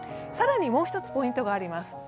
更にもう一つポイントがあります。